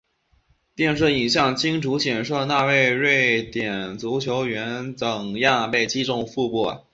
电视影像清楚显示那位瑞典足球员怎样被击中腹部。